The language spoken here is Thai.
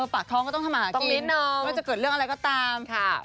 ปากท้องก็ต้องทำมากินว่าจะเกิดเรื่องอะไรก็ตามค่ะต้องเลี้ยงน้อง